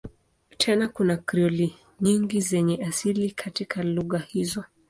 Tena kuna Krioli nyingi zenye asili katika lugha hizo.